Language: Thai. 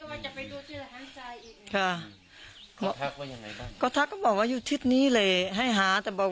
อันนี้ก็ว่าจะไปดูที่หลังจายอีก